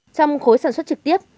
trong khối sản xuất trực tiếp